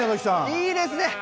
いいですね。